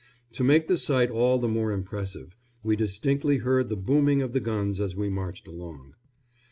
To make the sight all the more impressive, we distinctly heard the booming of the guns as we marched along.